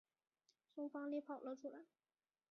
从房里跑了出来